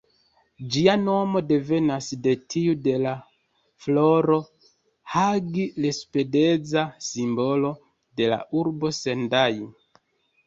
Ĝia nomo devenas de tiu de la floro ""Hagi-Lespedeza"", simbolo de la urbo Sendai.